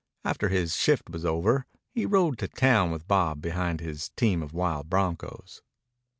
After his shift was over, he rode to town with Bob behind his team of wild broncos.